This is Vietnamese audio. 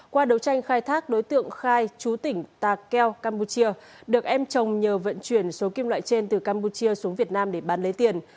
qua đấu tranh khai thác đối tượng khai chú tỉnh ta keo campuchia được em chồng nhờ vận chuyển số kim loại trên từ campuchia xuống việt nam để bán lấy tiền